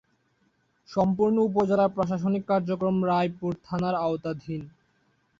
সম্পূর্ণ উপজেলার প্রশাসনিক কার্যক্রম রায়পুর থানার আওতাধীন।